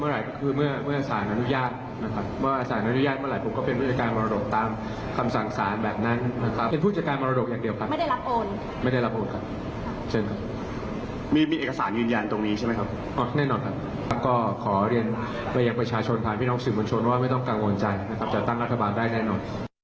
แล้วก็ขอเรียนบริหารประชาชนผ่านพี่น้องสื่อบัญชนว่าไม่ต้องกังวลใจจะตั้งรัฐบาลได้แน่นอน